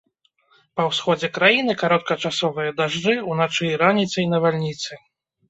Па ўсходзе краіны кароткачасовыя дажджы, уначы і раніцай навальніцы.